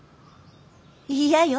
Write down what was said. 嫌よ。